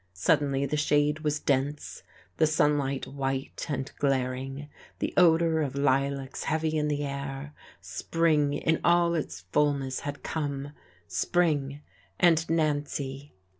Suddenly the shade was dense, the sunlight white and glaring, the odour of lilacs heavy in the air, spring in all its fulness had come, spring and Nancy.